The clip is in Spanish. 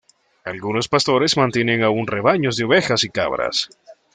Algunos pastores mantienen aún rebaños de ovejas y cabras.